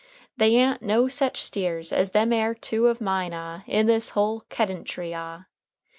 ] "They a'n't no sech steers as them air two of mine ah in this whole kedentry ah.